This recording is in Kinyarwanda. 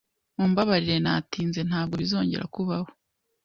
Mumbabarire natinze. Ntabwo bizongera kubaho.